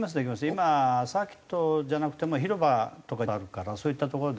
今サーキットじゃなくても広場とかがあるからそういった所で。